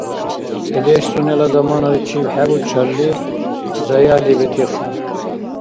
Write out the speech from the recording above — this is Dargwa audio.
ЦӀедеш, сунела замананаличиб хӀебучалли, заяли бетихъур...